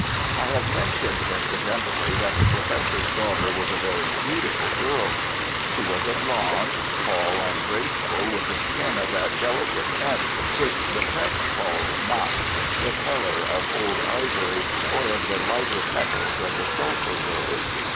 I have mentioned incidentally that the Professor's daughter was a very beautiful girl. She was a blonde, tall and graceful, with a skin of that delicate tint which the French call "mat," the colour of old ivory or of the lighter petals of the sulphur rose.